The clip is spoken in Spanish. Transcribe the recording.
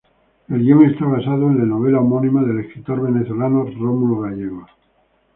El guion está basado en la novela homónima del escritor venezolano Rómulo Gallegos.